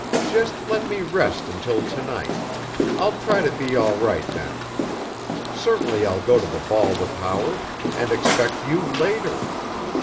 Just let me rest until to night—I'll try to be all right then. Certainly I'll go to the ball with Howard—and expect you later.